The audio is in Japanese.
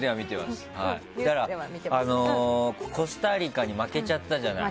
コスタリカに負けちゃったじゃない。